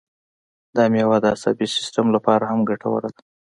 دا مېوه د عصبي سیستم لپاره هم ګټوره ده.